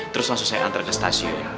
terus langsung saya antar ke stasiun